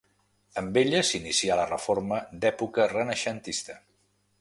Amb ella s'inicià la reforma d'època renaixentista.